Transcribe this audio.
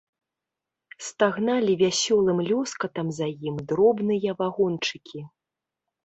Стагналі вясёлым лёскатам за ім дробныя вагончыкі.